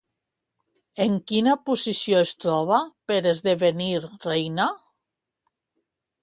En quina posició es troba per esdevenir reina?